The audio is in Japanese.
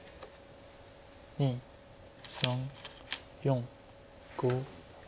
２３４５。